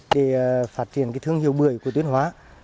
để phát triển thương hiệu bưởi của tuyên hóa